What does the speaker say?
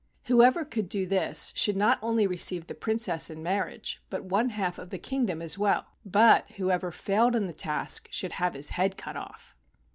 Whoever could do this should not only receive the Princess in marriage, but one half of the kingdom as well; but whoever failed in the task should have his head cut off.